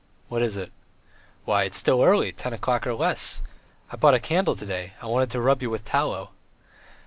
"What is it?" "Why, it's still early, ten o'clock or less. I bought a candle to day; I wanted to rub you with tallow."